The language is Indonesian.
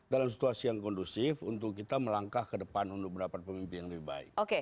dalam situasi yang kondusif untuk kita melangkah ke depan untuk mendapat pemimpin yang lebih baik